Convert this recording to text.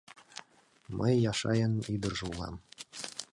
Мый Яшайын ӱдыржӧ улам.